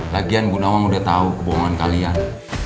lagian bu nawang udah tau kebohongan kalian